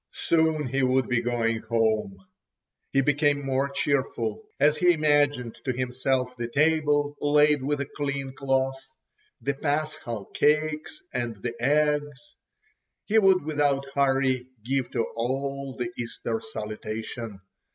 Soon he would be going home. He became more cheerful as he imagined to himself the table laid with a clean cloth, the paschal cakes and the eggs. He would without hurry give to all the Easter salutation.